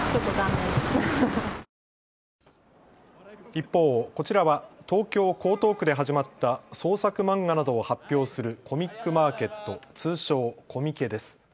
一方、こちらは東京江東区で始まった創作漫画などを発表するコミックマーケット通称コミケです。